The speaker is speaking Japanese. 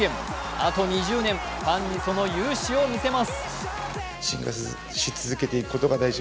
あと２０年ファンにその勇姿を見せます。